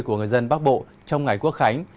của người dân bắc bộ trong ngày quốc khánh